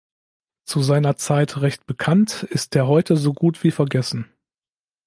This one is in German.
Zu seiner Zeit recht bekannt, ist er heute so gut wie vergessen.